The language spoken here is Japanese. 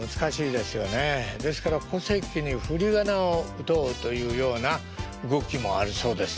ですから戸籍に振り仮名を打とうというような動きもあるそうです。